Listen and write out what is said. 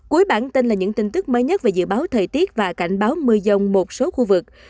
cuối bản tin là những tin tức mới nhất về dự báo thời tiết và cảnh báo mưa dông một số khu vực